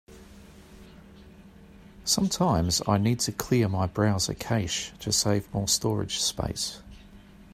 Sometines, I need to clear my browser cache to save more storage space.